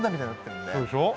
そうでしょ？